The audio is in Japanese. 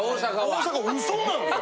大阪ウソなんです。